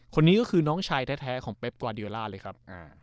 คนนี้ก็คือน้องชายแท้ของเป๊บกวาดิลล่าเลยครับ